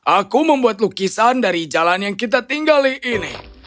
aku membuat lukisan dari jalan yang kita tinggali ini